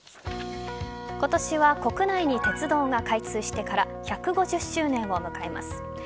今年は国内に鉄道が開通してから１５０周年を迎えます。